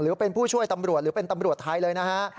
หรือเป็นผู้ช่วยตำรวจหรือเป็นตำรวจไทยเลยนะฮะ